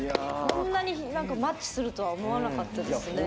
こんなにマッチするとは思わなかったですね。